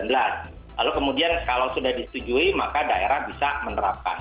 lalu kemudian kalau sudah disetujui maka daerah bisa menerapkan